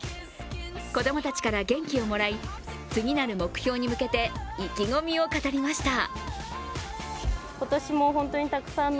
子供たちから元気をもらい次なる目標に向けて意気込みを語りました。